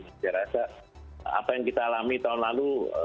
saya rasa apa yang kita alami tahun lalu